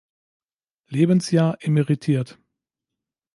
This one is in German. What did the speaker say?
Lebensjahr emeritiert.